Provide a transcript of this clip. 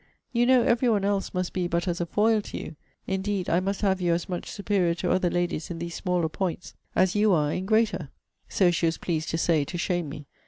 You know every one else must be but as a foil to you. Indeed I must have you as much superior to other ladies in these smaller points, as you are in greater.' So she was pleased to say to shame me.